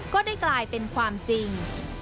กลายเป็นความจริง